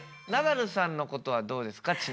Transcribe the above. ナダルさんのことはどうですか？